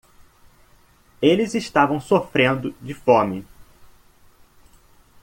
Eles estavam sofrendo de fome.